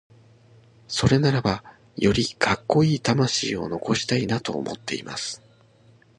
それならば、よりカッコイイ魂を残したいなと思っています。